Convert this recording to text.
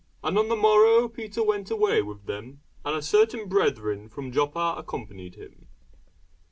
And on the morrow Peter went away with them, and certain brethren from Joppa accompanied him.